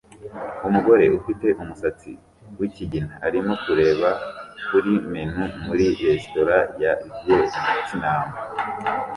Umugore ufite umusatsi wikigina arimo kureba kuri menu muri resitora ya Vietnam